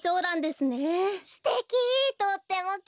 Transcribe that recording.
すてき！